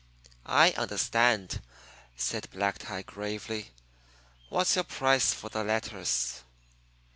"I understand," said Black Tie gravely. "What's your price for the letters?"